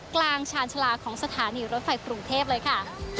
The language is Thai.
ชาญชาลาของสถานีรถไฟกรุงเทพเลยค่ะ